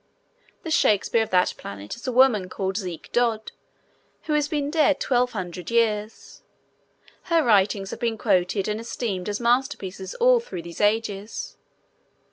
The Shakespeare of that planet is a woman called Ziek dod who has been dead twelve hundred years. Her writings have been quoted and esteemed as masterpieces all through these ages.